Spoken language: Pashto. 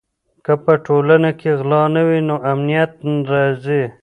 که په ټولنه کې غلا نه وي نو امنیت راځي.